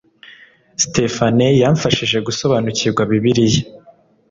Stéphane yamfashije gusobanukirwa Bibiliya